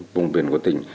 vùng biển của tỉnh